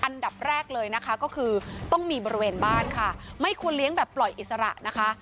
อันดับแรกเลยนะคะก็คือต้องมีบริเวณบ้านค่ะไม่ควรเลี้ยงแบบปล่อยอิสระนะคะ